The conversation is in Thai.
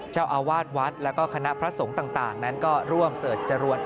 เจ้าอาวาสวัดแล้วก็คณะพระสงฆ์ต่างนั้นก็ร่วมเสิร์ชจรวน